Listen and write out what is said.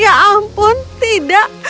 ya ampun tidak